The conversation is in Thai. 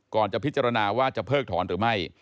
ก่อนจะพิจารณาว่าจะเพิกถอนหรือไม่